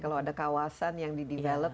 kalau ada kawasan yang didevelop